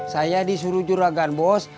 saya disuruh juragan bos